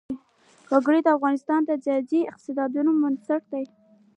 وګړي د افغانستان د ځایي اقتصادونو بنسټ دی.